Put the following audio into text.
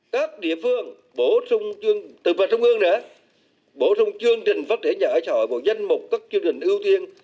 các địa phương bổ sung chương trình phát triển nhà ở xã hội và danh mục các chương trình ưu tiên